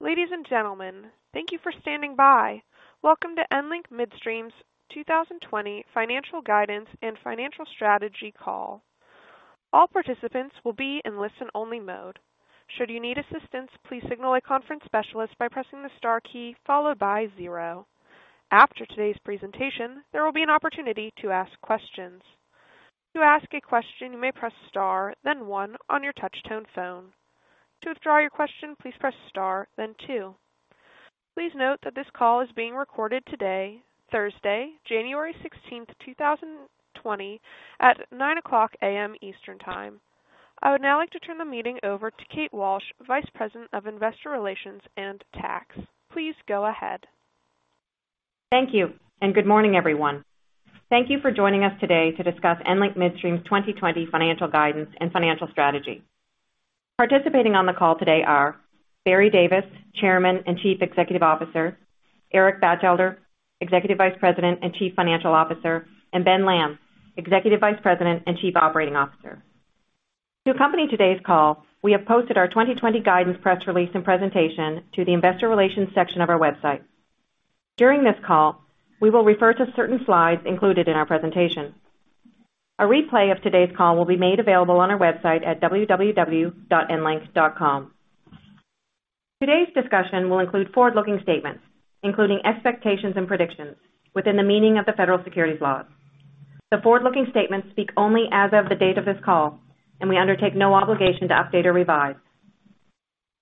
Ladies and gentlemen, thank you for standing by. Welcome to EnLink Midstream's 2020 financial guidance and financial strategy call. All participants will be in listen-only mode. Should you need assistance, please signal a conference specialist by pressing the star key followed by zero. After today's presentation, there will be an opportunity to ask questions. To ask a question, you may press star then one on your touch tone phone. To withdraw your question, please press star then two. Please note that this call is being recorded today, Thursday, January 16th, 2020, at 9:00 A.M. Eastern Time. I would now like to turn the meeting over to Kate Walsh, Vice President of Investor Relations and Tax. Please go ahead. Thank you, and good morning, everyone. Thank you for joining us today to discuss EnLink Midstream's 2020 financial guidance and financial strategy. Participating on the call today are Barry Davis, Chairman and Chief Executive Officer, Eric Batchelder, Executive Vice President and Chief Financial Officer, and Ben Lamb, Executive Vice President and Chief Operating Officer. To accompany today's call, we have posted our 2020 guidance press release and presentation to the investor relations section of our website. A replay of today's call will be made available on our website at www.enlink.com. Today's discussion will include forward-looking statements, including expectations and predictions within the meaning of the federal securities laws. The forward-looking statements speak only as of the date of this call, and we undertake no obligation to update or revise.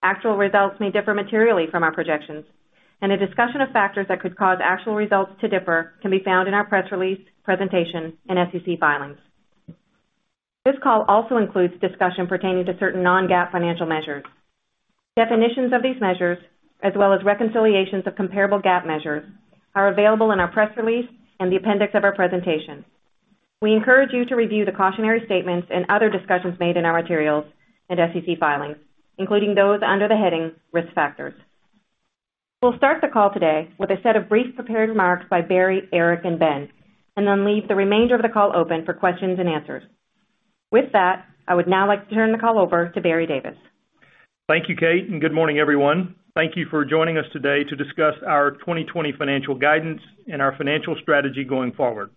Actual results may differ materially from our projections, and a discussion of factors that could cause actual results to differ can be found in our press release, presentation, and SEC filings. This call also includes discussion pertaining to certain non-GAAP financial measures. Definitions of these measures, as well as reconciliations of comparable GAAP measures, are available in our press release and the appendix of our presentation. We encourage you to review the cautionary statements and other discussions made in our materials and SEC filings, including those under the heading Risk Factors. We'll start the call today with a set of brief prepared remarks by Barry, Eric, and Ben, and then leave the remainder of the call open for questions and answers. With that, I would now like to turn the call over to Barry Davis. Thank you, Kate. Good morning, everyone. Thank you for joining us today to discuss our 2020 financial guidance and our financial strategy going forward.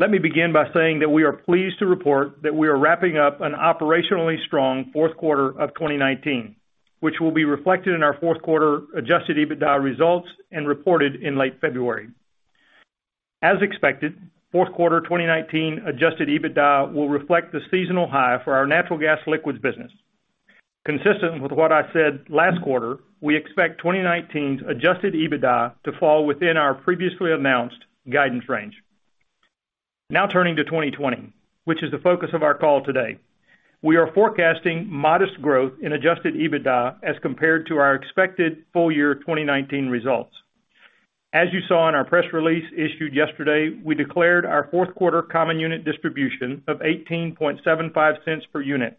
Let me begin by saying that we are pleased to report that we are wrapping up an operationally strong fourth quarter of 2019, which will be reflected in our fourth quarter adjusted EBITDA results and reported in late February. As expected, fourth quarter 2019 adjusted EBITDA will reflect the seasonal high for our natural gas liquids business. Consistent with what I said last quarter, we expect 2019's adjusted EBITDA to fall within our previously announced guidance range. Turning to 2020, which is the focus of our call today. We are forecasting modest growth in adjusted EBITDA as compared to our expected full year 2019 results. As you saw in our press release issued yesterday, we declared our fourth quarter common unit distribution of $0.1875 per unit.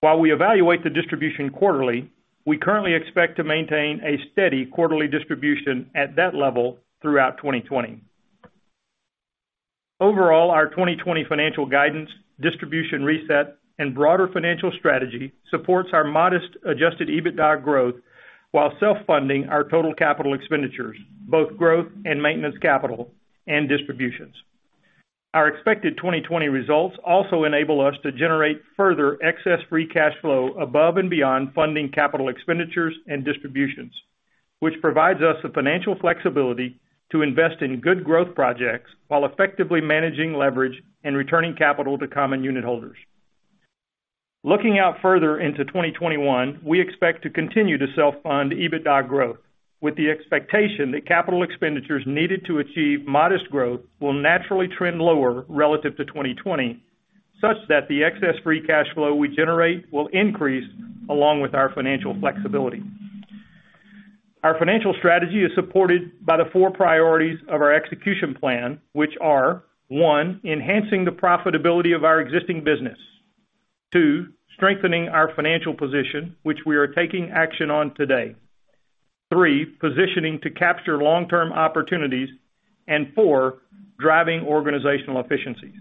While we evaluate the distribution quarterly, we currently expect to maintain a steady quarterly distribution at that level throughout 2020. Overall, our 2020 financial guidance, distribution reset, and broader financial strategy supports our modest adjusted EBITDA growth while self-funding our total capital expenditures, both growth and maintenance capital and distributions. Our expected 2020 results also enable us to generate further excess free cash flow above and beyond funding capital expenditures and distributions, which provides us the financial flexibility to invest in good growth projects while effectively managing leverage and returning capital to common unit holders. Looking out further into 2021, we expect to continue to self-fund EBITDA growth with the expectation that capital expenditures needed to achieve modest growth will naturally trend lower relative to 2020, such that the excess free cash flow we generate will increase along with our financial flexibility. Our financial strategy is supported by the 4 priorities of our execution plan, which are, 1, enhancing the profitability of our existing business. 2, strengthening our financial position, which we are taking action on today. 3, positioning to capture long-term opportunities. 4, driving organizational efficiencies.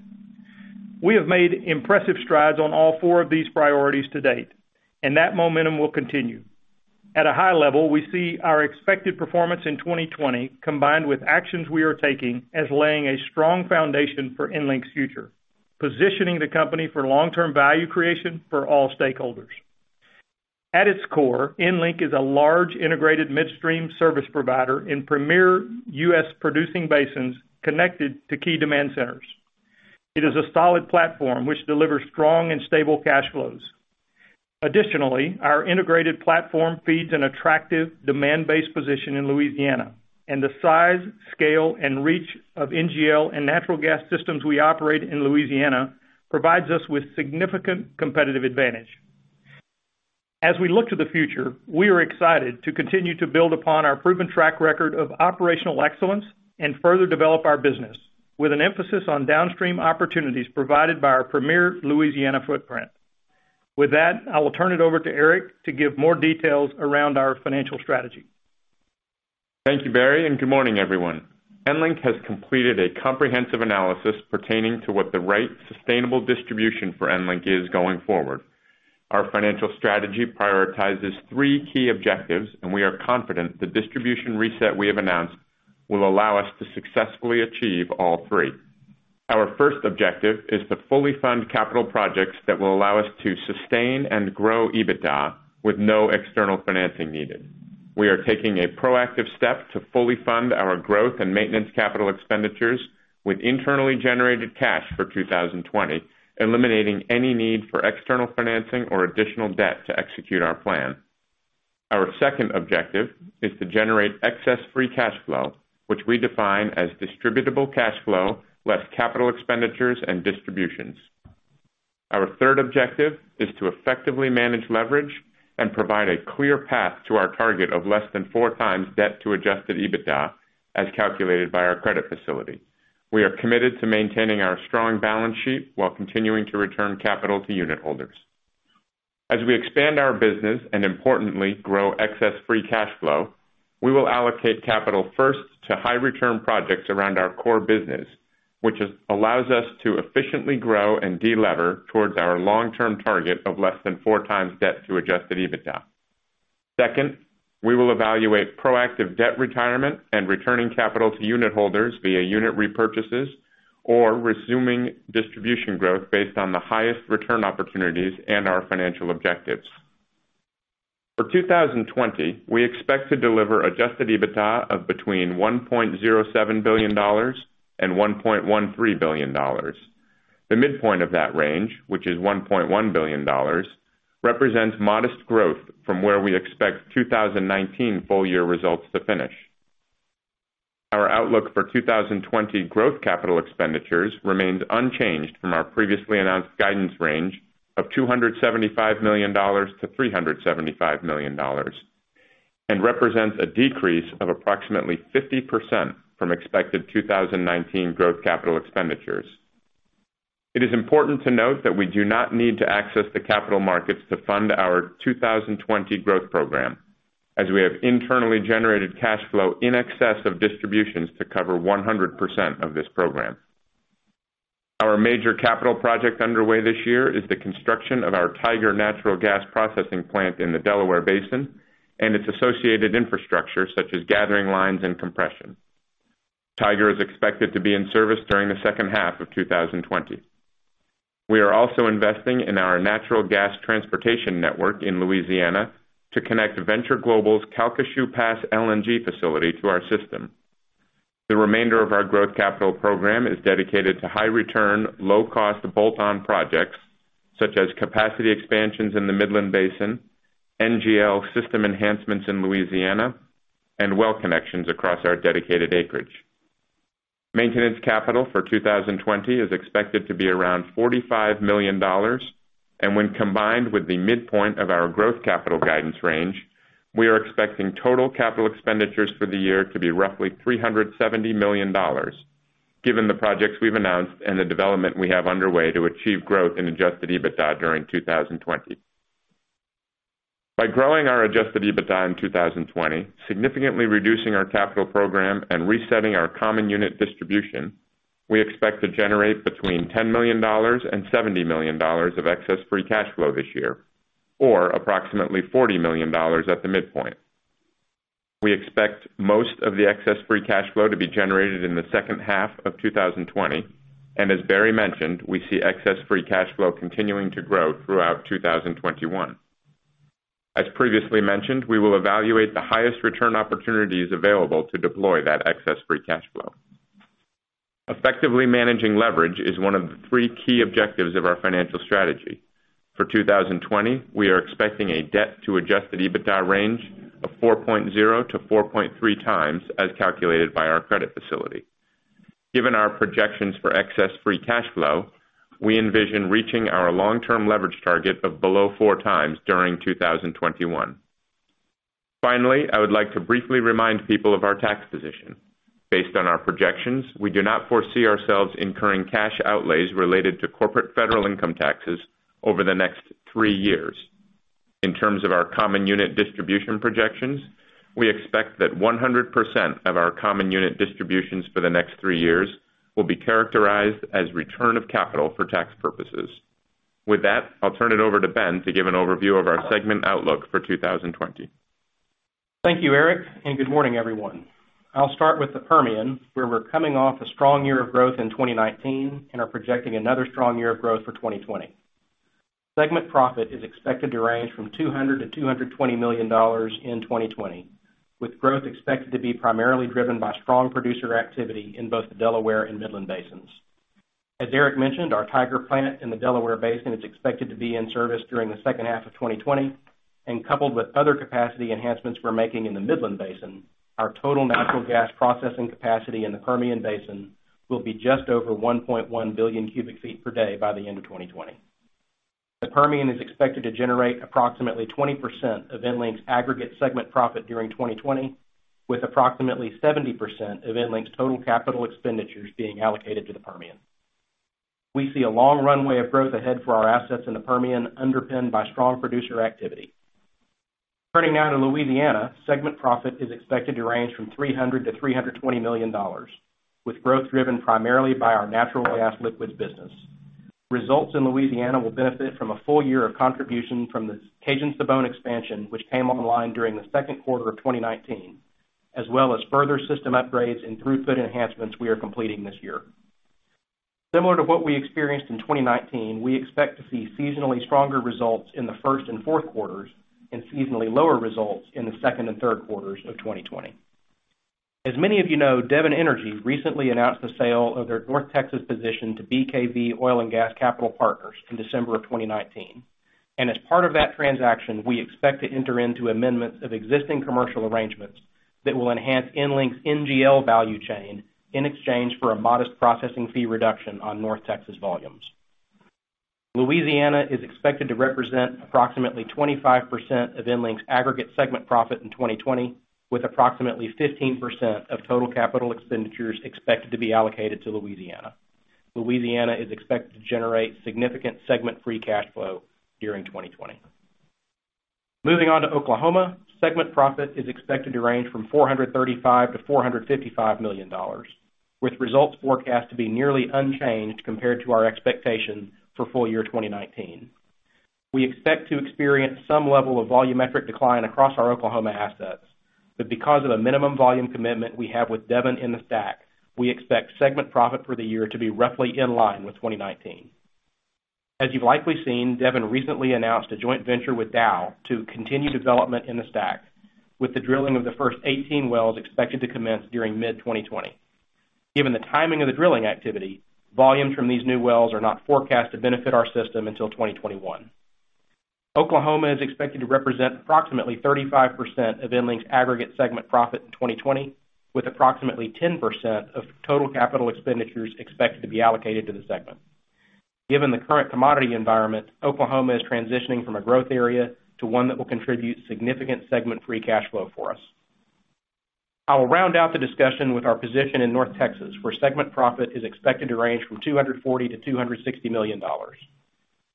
We have made impressive strides on all 4 of these priorities to date, and that momentum will continue. At a high level, we see our expected performance in 2020, combined with actions we are taking as laying a strong foundation for EnLink's future, positioning the company for long-term value creation for all stakeholders. At its core, EnLink is a large integrated midstream service provider in premier U.S. producing basins connected to key demand centers. It is a solid platform which delivers strong and stable cash flows. Additionally, our integrated platform feeds an attractive demand-based position in Louisiana, and the size, scale, and reach of NGL and natural gas systems we operate in Louisiana provides us with significant competitive advantage. As we look to the future, we are excited to continue to build upon our proven track record of operational excellence and further develop our business with an emphasis on downstream opportunities provided by our premier Louisiana footprint. With that, I will turn it over to Eric to give more details around our financial strategy. Thank you, Barry, and good morning, everyone. EnLink has completed a comprehensive analysis pertaining to what the right sustainable distribution for EnLink is going forward. Our financial strategy prioritizes three key objectives, and we are confident the distribution reset we have announced will allow us to successfully achieve all three. Our first objective is to fully fund capital projects that will allow us to sustain and grow EBITDA with no external financing needed. We are taking a proactive step to fully fund our growth and maintenance capital expenditures with internally generated cash for 2020, eliminating any need for external financing or additional debt to execute our plan. Our second objective is to generate excess free cash flow, which we define as distributable cash flow, less capital expenditures and distributions. Our third objective is to effectively manage leverage and provide a clear path to our target of less than four times debt to adjusted EBITDA, as calculated by our credit facility. We are committed to maintaining our strong balance sheet while continuing to return capital to unitholders. As we expand our business and importantly grow excess free cash flow, we will allocate capital first to high return projects around our core business, which allows us to efficiently grow and de-lever towards our long-term target of less than four times debt to adjusted EBITDA. Second, we will evaluate proactive debt retirement and returning capital to unitholders via unit repurchases or resuming distribution growth based on the highest return opportunities and our financial objectives. For 2020, we expect to deliver adjusted EBITDA of between $1.07 billion and $1.13 billion. The midpoint of that range, which is $1.1 billion, represents modest growth from where we expect 2019 full-year results to finish. Our outlook for 2020 growth capital expenditures remains unchanged from our previously announced guidance range of $275 million-$375 million, and represents a decrease of approximately 50% from expected 2019 growth capital expenditures. It is important to note that we do not need to access the capital markets to fund our 2020 growth program, as we have internally generated cash flow in excess of distributions to cover 100% of this program. Our major capital project underway this year is the construction of our Tiger Natural Gas Processing Plant in the Delaware Basin and its associated infrastructure, such as gathering lines and compression. Tiger is expected to be in service during the second half of 2020. We are also investing in our natural gas transportation network in Louisiana to connect Venture Global's Calcasieu Pass LNG facility to our system. The remainder of our growth capital program is dedicated to high return, low cost bolt-on projects such as capacity expansions in the Midland Basin, NGL system enhancements in Louisiana, and well connections across our dedicated acreage. Maintenance capital for 2020 is expected to be around $45 million, and when combined with the midpoint of our growth capital guidance range, we are expecting total capital expenditures for the year to be roughly $370 million, given the projects we've announced and the development we have underway to achieve growth in adjusted EBITDA during 2020. By growing our adjusted EBITDA in 2020, significantly reducing our capital program and resetting our common unit distribution, we expect to generate between $10 million and $70 million of excess free cash flow this year, or approximately $40 million at the midpoint. We expect most of the excess free cash flow to be generated in the second half of 2020. As Barry mentioned, we see excess free cash flow continuing to grow throughout 2021. As previously mentioned, we will evaluate the highest return opportunities available to deploy that excess free cash flow. Effectively managing leverage is one of the three key objectives of our financial strategy. For 2020, we are expecting a debt to adjusted EBITDA range of 4.0-4.3 times as calculated by our credit facility. Given our projections for excess free cash flow, we envision reaching our long-term leverage target of below four times during 2021. Finally, I would like to briefly remind people of our tax position. Based on our projections, we do not foresee ourselves incurring cash outlays related to corporate federal income taxes over the next three years. In terms of our common unit distribution projections, we expect that 100% of our common unit distributions for the next three years will be characterized as return of capital for tax purposes. With that, I'll turn it over to Ben to give an overview of our segment outlook for 2020. Thank you, Eric. Good morning, everyone. I'll start with the Permian, where we're coming off a strong year of growth in 2019 and are projecting another strong year of growth for 2020. Segment profit is expected to range from $200 million-$220 million in 2020, with growth expected to be primarily driven by strong producer activity in both the Delaware and Midland basins. As Eric mentioned, our Tiger plant in the Delaware basin is expected to be in service during the second half of 2020, and coupled with other capacity enhancements we're making in the Midland basin, our total natural gas processing capacity in the Permian basin will be just over 1.1 billion cubic feet per day by the end of 2020. The Permian is expected to generate approximately 20% of EnLink's aggregate segment profit during 2020, with approximately 70% of EnLink's total capital expenditures being allocated to the Permian. We see a long runway of growth ahead for our assets in the Permian underpinned by strong producer activity. Turning now to Louisiana, segment profit is expected to range from $300 million-$320 million, with growth driven primarily by our natural gas liquids business. Results in Louisiana will benefit from a full year of contribution from the Cajun-Sibon expansion, which came online during the second quarter of 2019, as well as further system upgrades and throughput enhancements we are completing this year. Similar to what we experienced in 2019, we expect to see seasonally stronger results in the first and fourth quarters, and seasonally lower results in the second and third quarters of 2020. As many of you know, Devon Energy recently announced the sale of their North Texas position to BKV Oil & Gas Capital Partners in December of 2019. As part of that transaction, we expect to enter into amendments of existing commercial arrangements that will enhance EnLink's NGL value chain in exchange for a modest processing fee reduction on North Texas volumes. Louisiana is expected to represent approximately 25% of EnLink's aggregate segment profit in 2020, with approximately 15% of total capital expenditures expected to be allocated to Louisiana. Louisiana is expected to generate significant segment free cash flow during 2020. Moving on to Oklahoma, segment profit is expected to range from $435 million-$455 million, with results forecast to be nearly unchanged compared to our expectations for full year 2019. We expect to experience some level of volumetric decline across our Oklahoma assets, but because of the minimum volume commitment we have with Devon in the STACK, we expect segment profit for the year to be roughly in line with 2019. As you've likely seen, Devon recently announced a joint venture with Dow to continue development in the STACK, with the drilling of the first 18 wells expected to commence during mid-2020. Given the timing of the drilling activity, volumes from these new wells are not forecast to benefit our system until 2021. Oklahoma is expected to represent approximately 35% of EnLink's aggregate segment profit in 2020, with approximately 10% of total capital expenditures expected to be allocated to the segment. Given the current commodity environment, Oklahoma is transitioning from a growth area to one that will contribute significant segment free cash flow for us. I will round out the discussion with our position in North Texas, where segment profit is expected to range from $240 million-$260 million.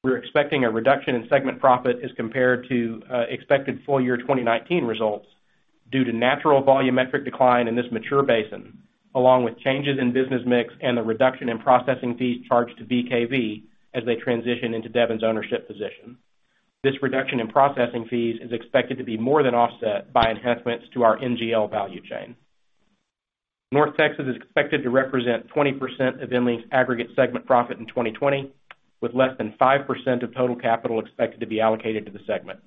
We're expecting a reduction in segment profit as compared to expected full year 2019 results due to natural volumetric decline in this mature basin, along with changes in business mix and the reduction in processing fees charged to BKV as they transition into Devon's ownership position. This reduction in processing fees is expected to be more than offset by enhancements to our NGL value chain. North Texas is expected to represent 20% of EnLink's aggregate segment profit in 2020, with less than 5% of total capital expected to be allocated to the segment.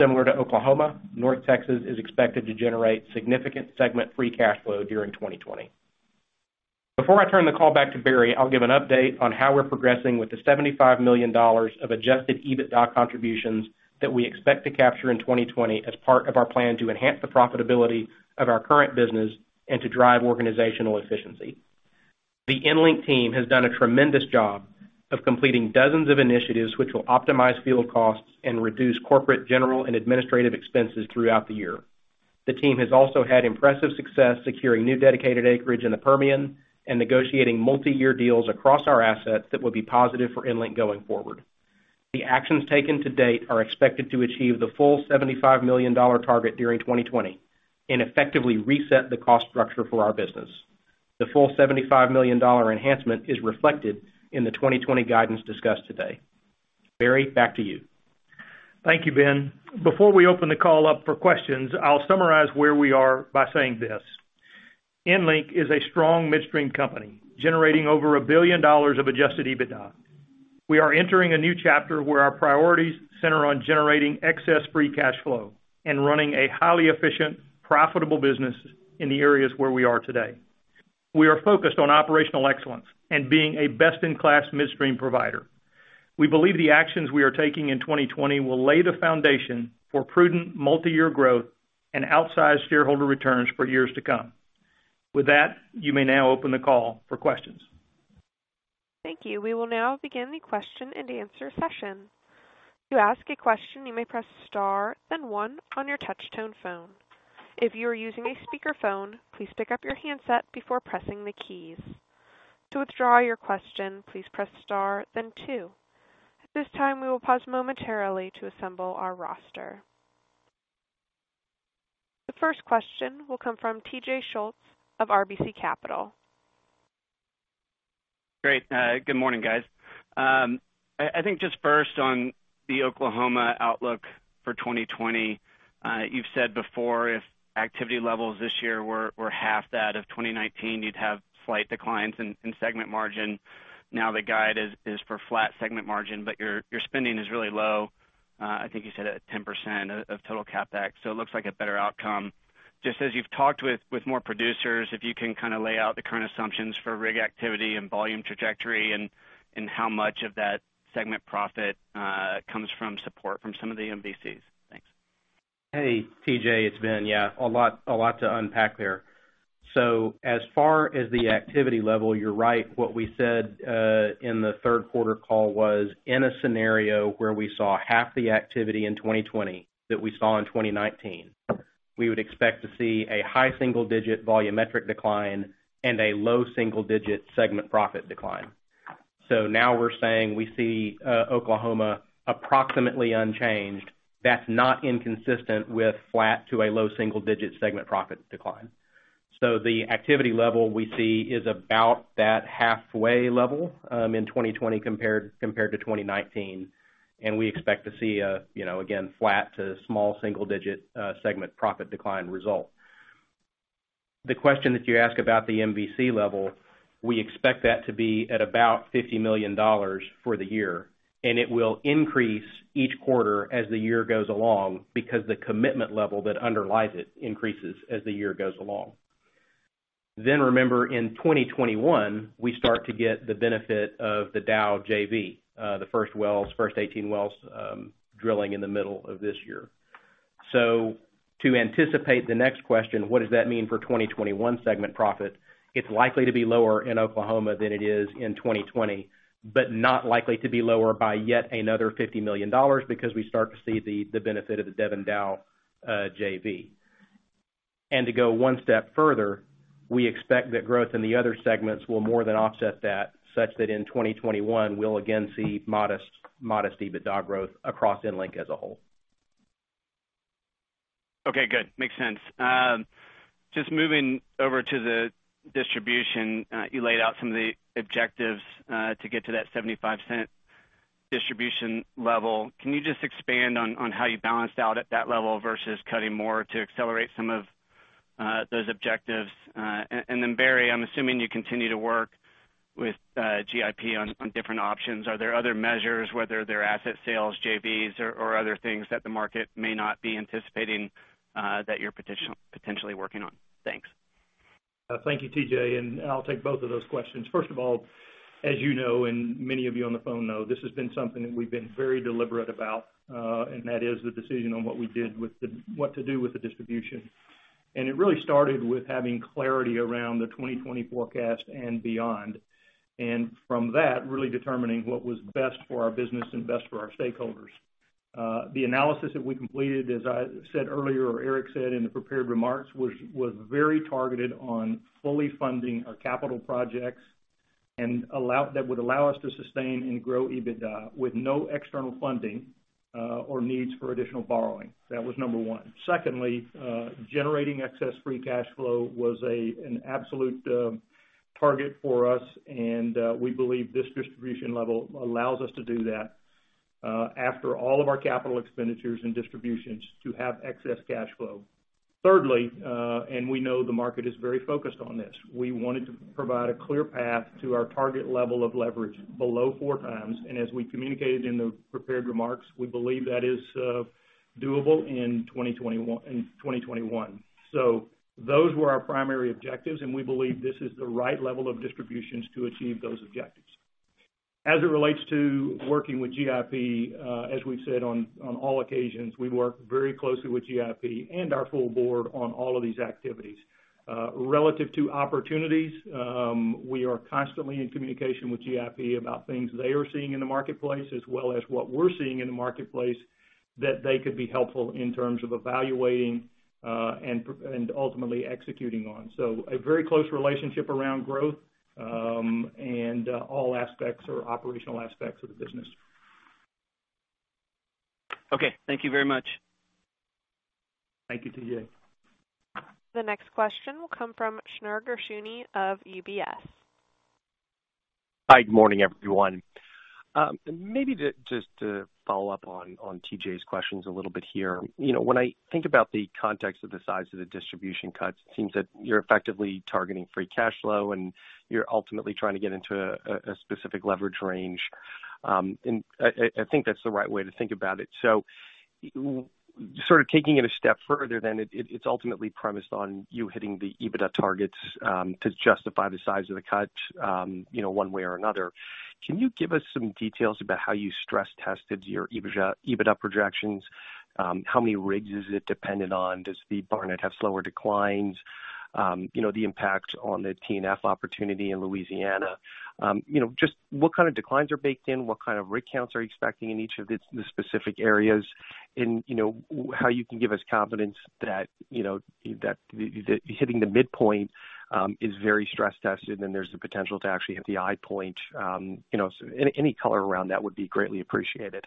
Similar to Oklahoma, North Texas is expected to generate significant segment free cash flow during 2020. Before I turn the call back to Barry, I'll give an update on how we're progressing with the $75 million of adjusted EBITDA contributions that we expect to capture in 2020 as part of our plan to enhance the profitability of our current business and to drive organizational efficiency. The EnLink team has done a tremendous job of completing dozens of initiatives which will optimize field costs and reduce corporate general and administrative expenses throughout the year. The team has also had impressive success securing new dedicated acreage in the Permian and negotiating multi-year deals across our assets that will be positive for EnLink going forward. The actions taken to date are expected to achieve the full $75 million target during 2020 and effectively reset the cost structure for our business. The full $75 million enhancement is reflected in the 2020 guidance discussed today. Barry, back to you. Thank you, Ben. Before we open the call up for questions, I'll summarize where we are by saying this: EnLink is a strong midstream company, generating over $1 billion of adjusted EBITDA. We are entering a new chapter where our priorities center on generating excess free cash flow and running a highly efficient, profitable business in the areas where we are today. We are focused on operational excellence and being a best-in-class midstream provider. We believe the actions we are taking in 2020 will lay the foundation for prudent multi-year growth and outsized shareholder returns for years to come. With that, you may now open the call for questions. Thank you. We will now begin the question and answer session. To ask a question, you may press star, then one on your touch tone phone. If you are using a speakerphone, please pick up your handset before pressing the keys. To withdraw your question, please press star, then two. At this time, we will pause momentarily to assemble our roster. The first question will come from TJ Schultz of RBC Capital. Great. Good morning, guys. I think just first on the Oklahoma outlook for 2020, you've said before if activity levels this year were half that of 2019, you'd have slight declines in segment margin. The guide is for flat segment margin, your spending is really low. I think you said at 10% of total CapEx. It looks like a better outcome. Just as you've talked with more producers, if you can kind of lay out the current assumptions for rig activity and volume trajectory, and how much of that segment profit comes from support from some of the MVCs. Thanks. Hey, T.J., it's Ben. Yeah, a lot to unpack there. As far as the activity level, you're right. What we said in the third quarter call was, in a scenario where we saw half the activity in 2020 that we saw in 2019, we would expect to see a high single-digit volumetric decline and a low single-digit segment profit decline. Now we're saying we see Oklahoma approximately unchanged. That's not inconsistent with flat to a low single-digit segment profit decline. The activity level we see is about that halfway level in 2020 compared to 2019, and we expect to see a, again, flat to small single-digit segment profit decline result. The question that you ask about the MVC level, we expect that to be at about $50 million for the year, and it will increase each quarter as the year goes along because the commitment level that underlies it increases as the year goes along. Remember, in 2021, we start to get the benefit of the Dow JV, the first 18 wells drilling in the middle of this year. To anticipate the next question, what does that mean for 2021 segment profit? It's likely to be lower in Oklahoma than it is in 2020, but not likely to be lower by yet another $50 million because we start to see the benefit of the Devon-Dow JV. To go one step further, we expect that growth in the other segments will more than offset that, such that in 2021, we'll again see modest EBITDA growth across EnLink as a whole. Okay, good. Makes sense. Just moving over to the distribution. You laid out some of the objectives to get to that $0.75 distribution level. Can you just expand on how you balanced out at that level versus cutting more to accelerate some of those objectives? Barry, I'm assuming you continue to work with GIP on different options. Are there other measures, whether they're asset sales, JVs, or other things that the market may not be anticipating that you are potentially working on? Thanks. Thank you, T.J. I'll take both of those questions. First of all, as you know, and many of you on the phone know, this has been something that we've been very deliberate about, and that is the decision on what to do with the distribution. It really started with having clarity around the 2020 forecast and beyond. From that, really determining what was best for our business and best for our stakeholders. The analysis that we completed, as I said earlier, or Eric said in the prepared remarks, was very targeted on fully funding our capital projects that would allow us to sustain and grow EBITDA with no external funding or needs for additional borrowing. That was number one. Generating excess free cash flow was an absolute target for us, and we believe this distribution level allows us to do that, after all of our capital expenditures and distributions, to have excess cash flow. We know the market is very focused on this, we wanted to provide a clear path to our target level of leverage below four times. As we communicated in the prepared remarks, we believe that is doable in 2021. Those were our primary objectives, and we believe this is the right level of distributions to achieve those objectives. As it relates to working with GIP, as we've said on all occasions, we work very closely with GIP and our full board on all of these activities. Relative to opportunities, we are constantly in communication with GIP about things they are seeing in the marketplace, as well as what we're seeing in the marketplace that they could be helpful in terms of evaluating and ultimately executing on. A very close relationship around growth and all aspects or operational aspects of the business. Okay. Thank you very much. Thank you, T.J. The next question will come from Shneur Gershuni of UBS. Hi, good morning, everyone. Maybe just to follow up on T.J.'s questions a little bit here. When I think about the context of the size of the distribution cuts, it seems that you're effectively targeting free cash flow and you're ultimately trying to get into a specific leverage range. I think that's the right way to think about it. Taking it a step further, then it's ultimately premised on you hitting the EBITDA targets to justify the size of the cut one way or another. Can you give us some details about how you stress-tested your EBITDA projections? How many rigs is it dependent on? Does the Barnett have slower declines? The impact on the TNF opportunity in Louisiana. What kind of declines are baked in? What kind of rig counts are you expecting in each of the specific areas? How you can give us confidence that hitting the midpoint is very stress-tested, and there's the potential to actually hit the high point. Any color around that would be greatly appreciated.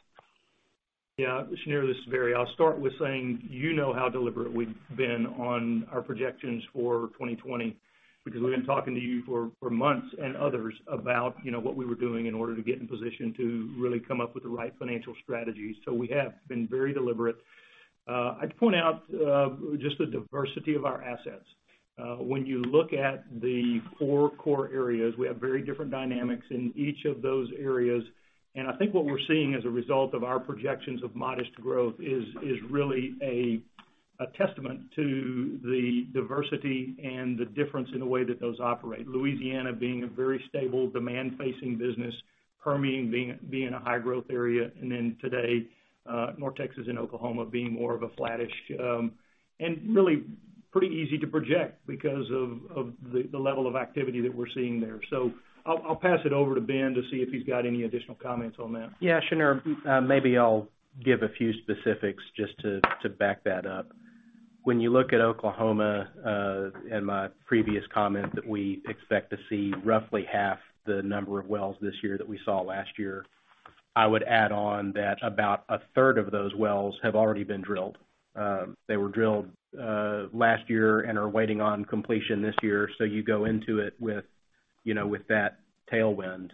Yeah. Shneur, this is Barry. I'll start with saying, you know how deliberate we've been on our projections for 2020, because we've been talking to you for months, and others, about what we were doing in order to get in position to really come up with the right financial strategy. We have been very deliberate. I'd point out just the diversity of our assets. When you look at the four core areas, we have very different dynamics in each of those areas. I think what we're seeing as a result of our projections of modest growth is really a testament to the diversity and the difference in the way that those operate. Louisiana being a very stable demand-facing business, Permian being a high-growth area, and then today, North Texas and Oklahoma being more of a flattish, and really pretty easy to project because of the level of activity that we're seeing there. I'll pass it over to Ben to see if he's got any additional comments on that. Yeah, Shneur, maybe I'll give a few specifics just to back that up. When you look at Oklahoma, and my previous comment that we expect to see roughly half the number of wells this year that we saw last year, I would add on that about a third of those wells have already been drilled. They were drilled last year and are waiting on completion this year, so you go into it with that tailwind.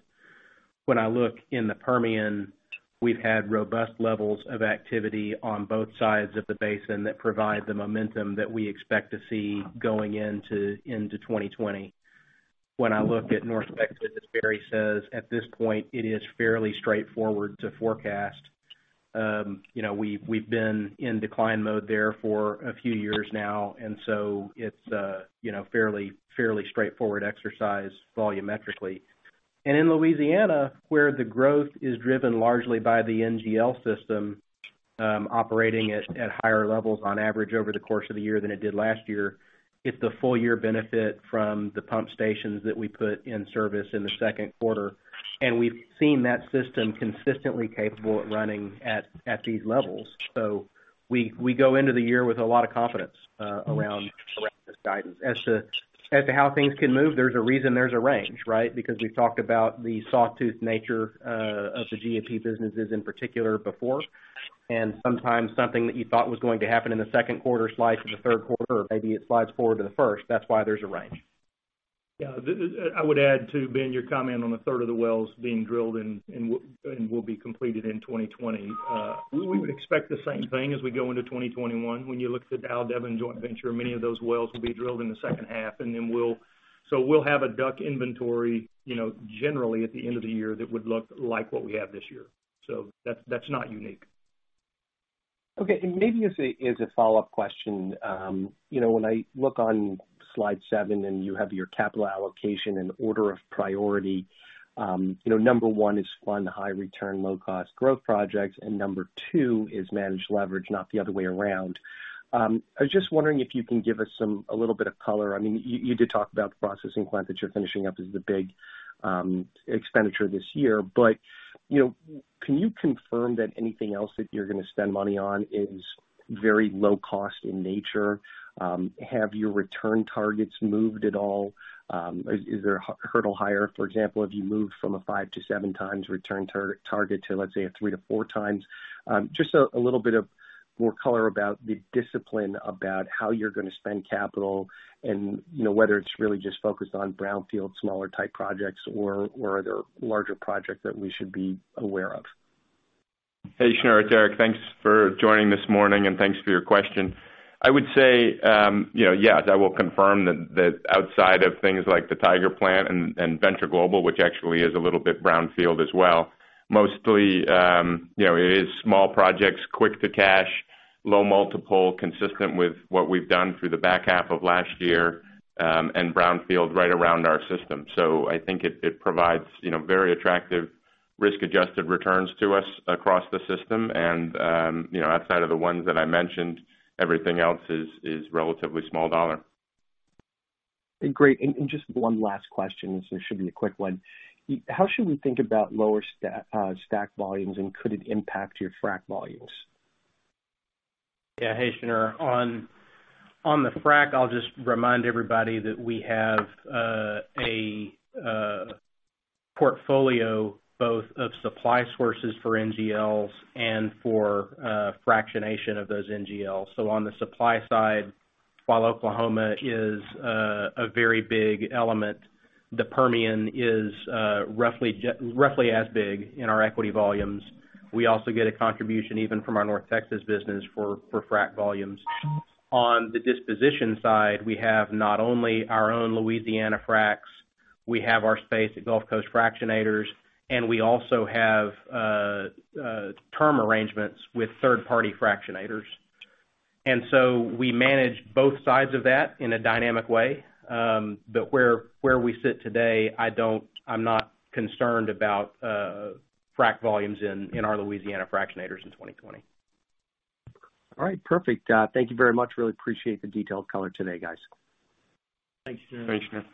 When I look in the Permian, we've had robust levels of activity on both sides of the basin that provide the momentum that we expect to see going into 2020. When I look at North Texas, as Barry says, at this point, it is fairly straightforward to forecast. We've been in decline mode there for a few years now, and so it's a fairly straightforward exercise volumetrically. In Louisiana, where the growth is driven largely by the NGL system operating at higher levels on average over the course of the year than it did last year, it's a full year benefit from the pump stations that we put in service in the second quarter. We've seen that system consistently capable of running at these levels. We go into the year with a lot of confidence around this guidance. As to how things can move, there's a reason there's a range, right? We've talked about the sawtooth nature of the G&P businesses in particular before. Sometimes something that you thought was going to happen in the second quarter slides to the third quarter, or maybe it slides forward to the first. That's why there's a range. Yeah. I would add too, Ben, your comment on a third of the wells being drilled and will be completed in 2020. We would expect the same thing as we go into 2021. When you look at the Devon joint venture, many of those wells will be drilled in the second half. We'll have a DUC inventory generally at the end of the year that would look like what we have this year. That's not unique. Okay. Maybe as a follow-up question. When I look on slide seven, you have your capital allocation and order of priority. Number 1 is fund high return, low cost growth projects, number 2 is manage leverage, not the other way around. I was just wondering if you can give us a little bit of color. You did talk about the processing plant that you're finishing up as the big expenditure this year. Can you confirm that anything else that you're going to spend money on is very low cost in nature? Have your return targets moved at all? Is their hurdle higher? For example, have you moved from a 5 to 7 times return target to, let's say, a 3 to 4 times? Just a little bit of more color about the discipline about how you're going to spend capital and whether it's really just focused on brownfield, smaller type projects or are there larger projects that we should be aware of? Hey, Shneur, it's Eric. Thanks for joining this morning, and thanks for your question. I would say, yes, I will confirm that outside of things like the Tiger plant and Venture Global, which actually is a little bit brownfield as well. Mostly, it is small projects, quick to cash, low multiple, consistent with what we've done through the back half of last year, and brownfield right around our system. I think it provides very attractive risk-adjusted returns to us across the system. Outside of the ones that I mentioned, everything else is relatively small dollar. Just one last question. This should be a quick one. How should we think about lower STACK volumes, and could it impact your frac volumes? Hey, Shneur. On the frac, I'll just remind everybody that we have a portfolio both of supply sources for NGLs and for fractionation of those NGLs. On the supply side, while Oklahoma is a very big element, the Permian is roughly as big in our equity volumes. We also get a contribution even from our North Texas business for frac volumes. On the disposition side, we have not only our own Louisiana fracs, we have our space at Gulf Coast Fractionators, and we also have term arrangements with third-party fractionators. We manage both sides of that in a dynamic way. Where we sit today, I'm not concerned about frac volumes in our Louisiana fractionators in 2020. All right. Perfect. Thank you very much. Really appreciate the detailed color today, guys. Thanks, Shneur. Thanks,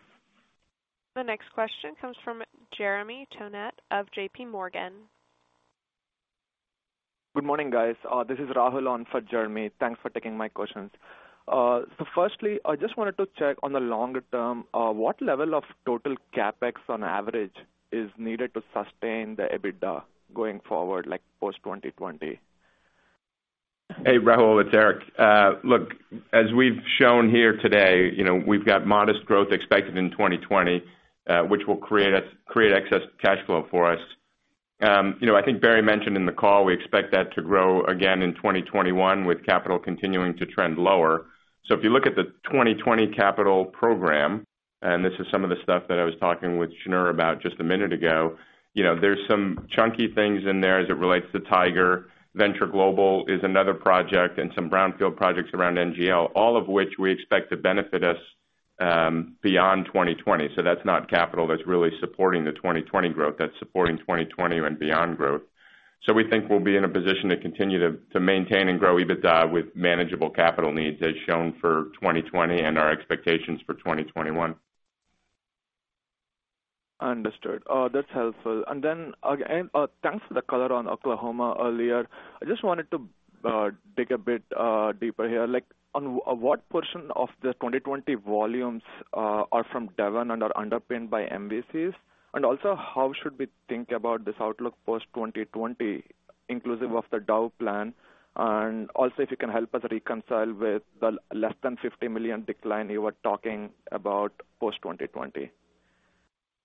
Shneur. The next question comes from Jeremy Tonet of J.P. Morgan. Good morning, guys. This is Rahul on for Jeremy. Thanks for taking my questions. Firstly, I just wanted to check on the longer term, what level of total CapEx on average is needed to sustain the EBITDA going forward, like post 2020? Hey, Rahul, it's Derek. Look, as we've shown here today, we've got modest growth expected in 2020, which will create excess cash flow for us. I think Barry mentioned in the call we expect that to grow again in 2021 with capital continuing to trend lower. If you look at the 2020 capital program, and this is some of the stuff that I was talking with Shneur about just a minute ago. There's some chunky things in there as it relates to Tiger. Venture Global is another project, and some brownfield projects around NGL. All of which we expect to benefit us beyond 2020. That's not capital that's really supporting the 2020 growth. That's supporting 2020 and beyond growth. We think we'll be in a position to continue to maintain and grow EBITDA with manageable capital needs as shown for 2020 and our expectations for 2021. Understood. That's helpful. Thanks for the color on Oklahoma earlier. I just wanted to dig a bit deeper here. On what portion of the 2020 volumes are from Devon and are underpinned by MVCs? How should we think about this outlook post 2020 inclusive of the Dow joint venture? If you can help us reconcile with the less than $50 million decline you were talking about post 2020.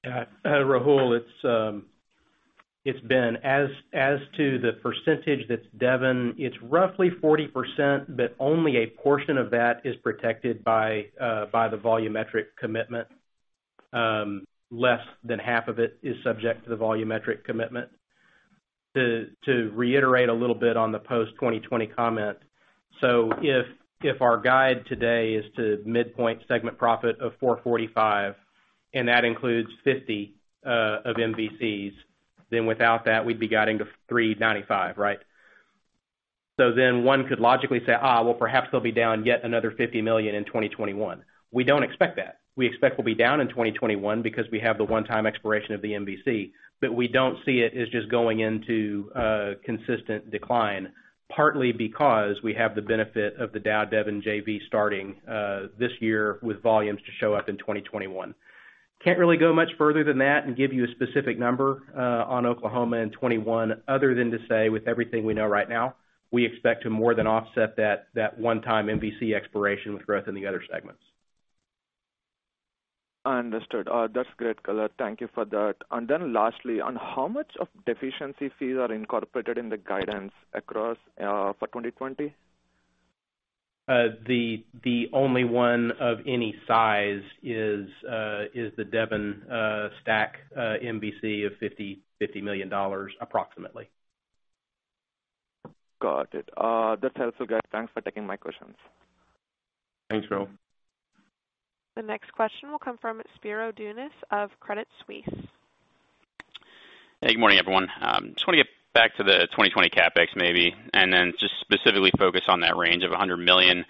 Yeah. Rahul, as to the percentage that's Devon, it's roughly 40%, but only a portion of that is protected by the volumetric commitment. Less than half of it is subject to the volumetric commitment. To reiterate a little bit on the post 2020 comment, so if our guide today is to midpoint segment profit of $445, and that includes $50 of MVCs, then without that, we'd be guiding to $395, right? One could logically say, "Well, perhaps they'll be down yet another $50 million in 2021." We don't expect that. We expect we'll be down in 2021 because we have the one-time expiration of the MVC, but we don't see it as just going into a consistent decline, partly because we have the benefit of the Dow Devon JV starting this year with volumes to show up in 2021. Can't really go much further than that and give you a specific number on Oklahoma in 2021 other than to say with everything we know right now, we expect to more than offset that one-time MVC expiration with growth in the other segments. Understood. That's great color. Thank you for that. Lastly, on how much of deficiency fees are incorporated in the guidance across for 2020? The only one of any size is the Devon STACK MVC of $50 million approximately. Got it. That's helpful, guys. Thanks for taking my questions. Thanks, Rahul. The next question will come from Spiro Dounis of Credit Suisse. Hey, good morning, everyone. Want to get back to the 2020 CapEx maybe, then just specifically focus on that range of $100 million.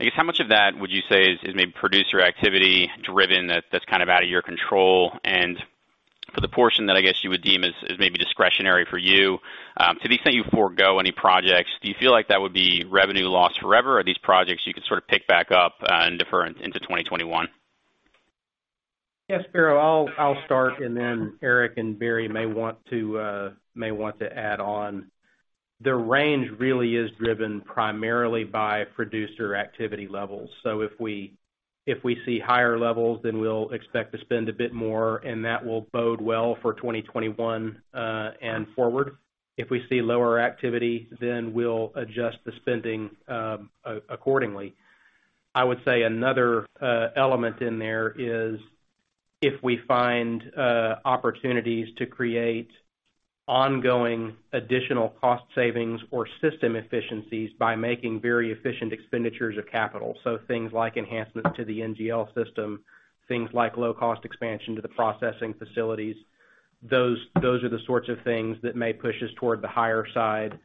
I guess how much of that would you say is maybe producer activity driven that's kind of out of your control? For the portion that I guess you would deem as maybe discretionary for you, to the extent you forego any projects, do you feel like that would be revenue lost forever? Are these projects you could sort of pick back up and defer into 2021? Yeah, Spiro, I'll start and then Eric and Barry may want to add on. The range really is driven primarily by producer activity levels. If we see higher levels, then we'll expect to spend a bit more, and that will bode well for 2021 and forward. If we see lower activity, then we'll adjust the spending accordingly. I would say another element in there is if we find opportunities to create ongoing additional cost savings or system efficiencies by making very efficient expenditures of capital. Things like enhancements to the NGL system, things like low-cost expansion to the processing facilities. Those are the sorts of things that may push us toward the higher side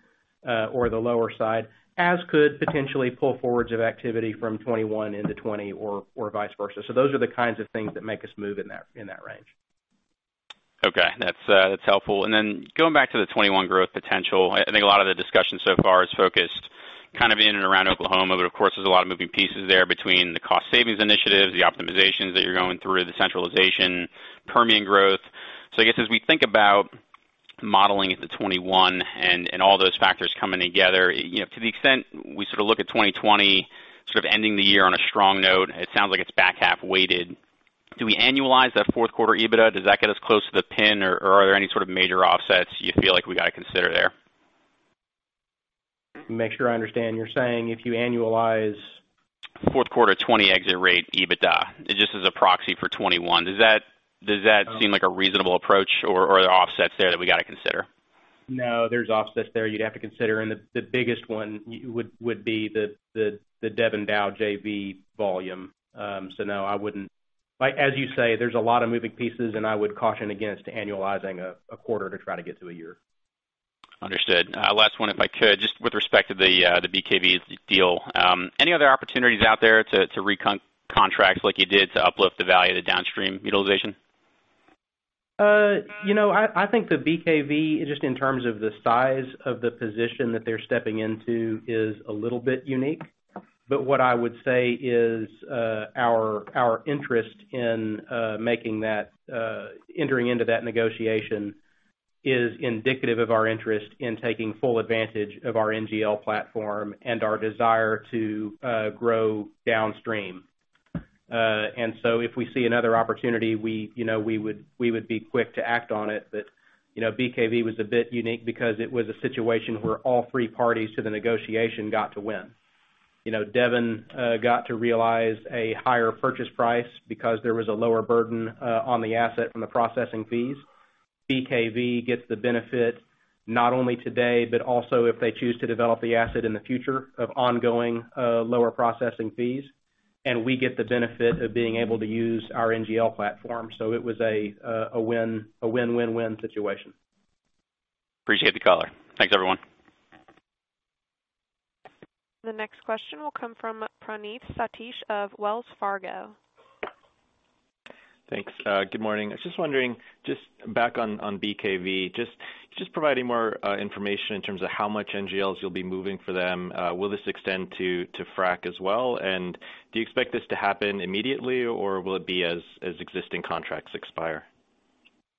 or the lower side, as could potentially pull forwards of activity from 2021 into 2020 or vice versa. Those are the kinds of things that make us move in that range. Okay. That's helpful. Going back to the 2021 growth potential, I think a lot of the discussion so far is focused kind of in and around Oklahoma, but of course, there's a lot of moving pieces there between the cost savings initiatives, the optimizations that you're going through, the centralization, Permian growth. I guess as we think about modeling at the 2021 and all those factors coming together, to the extent we sort of look at 2020 sort of ending the year on a strong note, it sounds like it's back half weighted. Do we annualize that fourth quarter EBITDA? Does that get us close to the pin or are there any sort of major offsets you feel like we got to consider there? Make sure I understand. You're saying if you annualize- Fourth quarter 2020 exit rate EBITDA, just as a proxy for 2021. Does that seem like a reasonable approach or are there offsets there that we got to consider? No, there's offsets there you'd have to consider. The biggest one would be the Devon Dow JV volume. No, I wouldn't. As you say, there's a lot of moving pieces. I would caution against annualizing a quarter to try to get to a year. Understood. Last one, if I could, just with respect to the BKV deal. Any other opportunities out there to re-contract like you did to uplift the value of the downstream utilization? I think the BKV, just in terms of the size of the position that they're stepping into is a little bit unique. What I would say is our interest in entering into that negotiation is indicative of our interest in taking full advantage of our NGL platform and our desire to grow downstream. If we see another opportunity, we would be quick to act on it. BKV was a bit unique because it was a situation where all three parties to the negotiation got to win. Devon got to realize a higher purchase price because there was a lower burden on the asset from the processing fees. BKV gets the benefit, not only today, but also if they choose to develop the asset in the future of ongoing lower processing fees. We get the benefit of being able to use our NGL platform. It was a win-win-win situation. Appreciate the color. Thanks, everyone. The next question will come from Praneeth Satish of Wells Fargo. Thanks. Good morning. I was just wondering, just back on BKV, just providing more information in terms of how much NGLs you'll be moving for them. Will this extend to fractionation as well? Do you expect this to happen immediately, or will it be as existing contracts expire?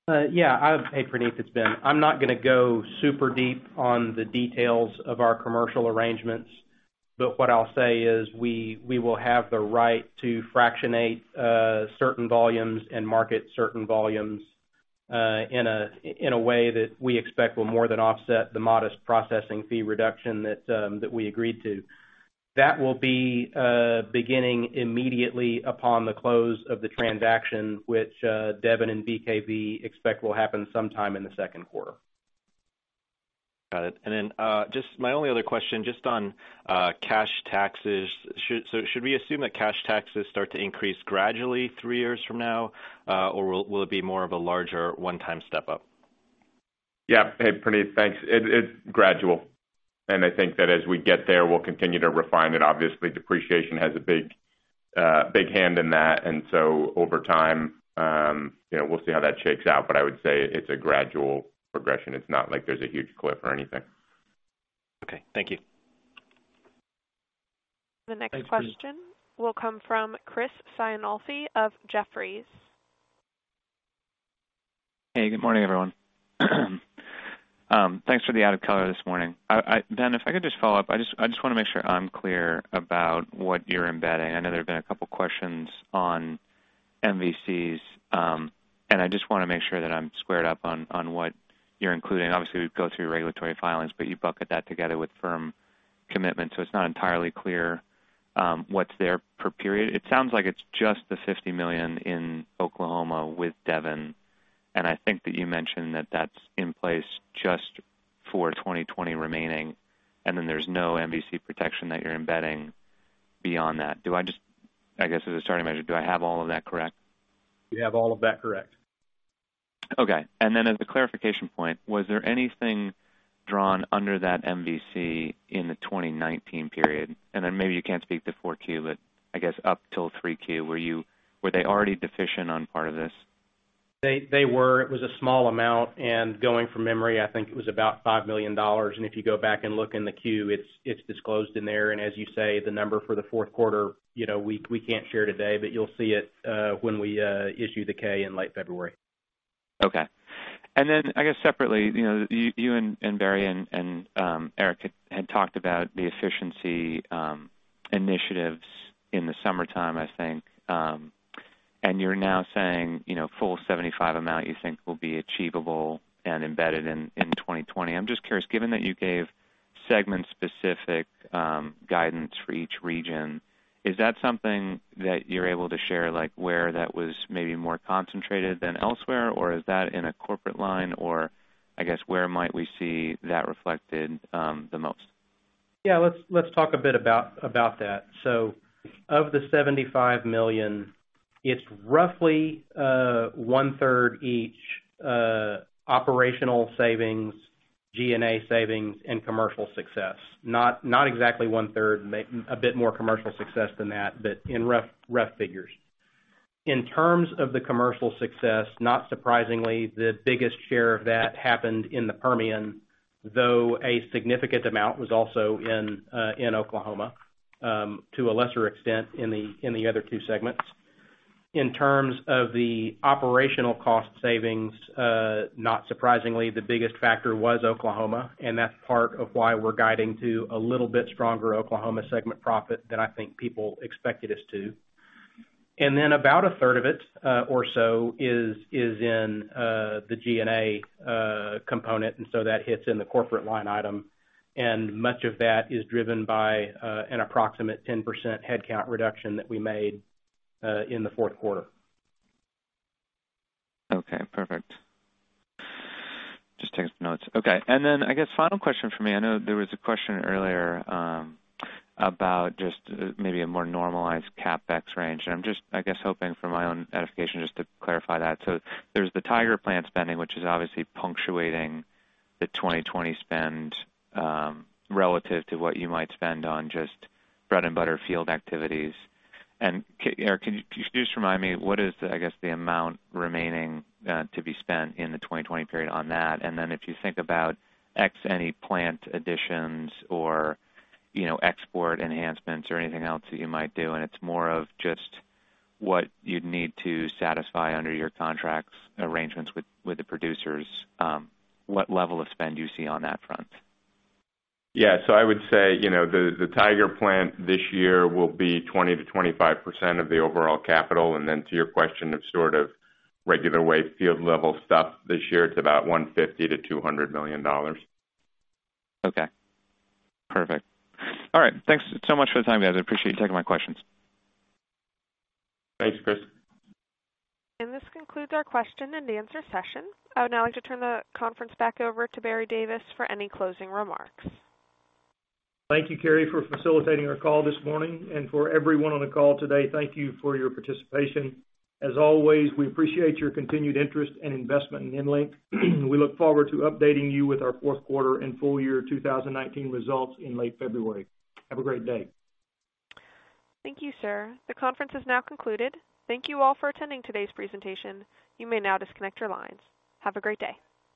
Yeah. Hey, Praneeth, it's Ben. I'm not going to go super deep on the details of our commercial arrangements, but what I'll say is we will have the right to fractionate certain volumes and market certain volumes in a way that we expect will more than offset the modest processing fee reduction that we agreed to. That will be beginning immediately upon the close of the transaction, which Devon Energy and BKV Corporation expect will happen sometime in the second quarter. Got it. My only other question, just on cash taxes. Should we assume that cash taxes start to increase gradually three years from now? Will it be more of a larger one-time step up? Yeah. Hey, Praneeth. Thanks. It's gradual, and I think that as we get there, we'll continue to refine it. Obviously, depreciation has a big hand in that, and so over time, we'll see how that shakes out. I would say it's a gradual progression. It's not like there's a huge cliff or anything. Okay. Thank you. Thanks, Praneeth. The next question will come from Chris Ciancaglini of Jefferies. Hey, good morning, everyone. Thanks for the added color this morning. Ben, if I could just follow up, I just want to make sure I'm clear about what you're embedding. I know there have been a couple of questions on MVCs, and I just want to make sure that I'm squared up on what you're including. Obviously, we go through your regulatory filings, but you bucket that together with firm commitments, so it's not entirely clear what's there per period. It sounds like it's just the $50 million in Oklahoma with Devon, and I think that you mentioned that that's in place just for 2020 remaining, and then there's no MVC protection that you're embedding beyond that. I guess, as a starting measure, do I have all of that correct? You have all of that correct. Okay. As a clarification point, was there anything drawn under that MVC in the 2019 period? Maybe you can't speak to four Q, but I guess up till three Q, were they already deficient on part of this? They were. It was a small amount, going from memory, I think it was about $5 million. If you go back and look in the Q, it's disclosed in there. As you say, the number for the fourth quarter, we can't share today, but you'll see it when we issue the K in late February. Okay. I guess separately, you and Barry and Eric had talked about the efficiency initiatives in the summertime, I think. You're now saying, full 75 amount you think will be achievable and embedded in 2020. I'm just curious, given that you gave segment-specific guidance for each region, is that something that you're able to share, like where that was maybe more concentrated than elsewhere, or is that in a corporate line, or I guess, where might we see that reflected the most? Let's talk a bit about that. Of the $75 million, it's roughly one-third each operational savings, G&A savings, and commercial success. Not exactly one-third, a bit more commercial success than that, but in rough figures. In terms of the commercial success, not surprisingly, the biggest share of that happened in the Permian, though a significant amount was also in Oklahoma, to a lesser extent in the other two segments. In terms of the operational cost savings, not surprisingly, the biggest factor was Oklahoma, and that's part of why we're guiding to a little bit stronger Oklahoma segment profit than I think people expected us to. About a third of it or so is in the G&A component, that hits in the corporate line item, and much of that is driven by an approximate 10% headcount reduction that we made in the fourth quarter. Okay, perfect. Just taking some notes. Okay. I guess final question from me, I know there was a question earlier about just maybe a more normalized CapEx range. I'm just, I guess, hoping for my own edification just to clarify that. There's the Tiger Plant spending, which is obviously punctuating the 2020 spend relative to what you might spend on just bread-and-butter field activities. Eric, can you just remind me what is, I guess, the amount remaining to be spent in the 2020 period on that? If you think about X, any plant additions or export enhancements or anything else that you might do, and it's more of just what you'd need to satisfy under your contracts arrangements with the producers, what level of spend you see on that front? Yeah. I would say, the Tiger Plant this year will be 20%-25% of the overall capital. To your question of sort of regular wave field level stuff this year, it's about $150 million-$200 million. Okay. Perfect. All right. Thanks so much for the time, guys. I appreciate you taking my questions. Thanks, Chris. This concludes our question and answer session. I would now like to turn the conference back over to Barry Davis for any closing remarks. Thank you, Carrie, for facilitating our call this morning. For everyone on the call today, thank you for your participation. As always, we appreciate your continued interest and investment in EnLink. We look forward to updating you with our fourth quarter and full year 2019 results in late February. Have a great day. Thank you, sir. The conference is now concluded. Thank you all for attending today's presentation. You may now disconnect your lines. Have a great day.